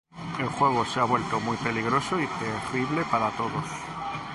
El juego se ha vuelto muy peligroso y terrible para todos.